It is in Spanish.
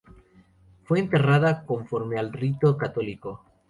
Fue enterrada conforme al rito católico.